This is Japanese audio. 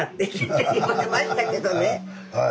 はい。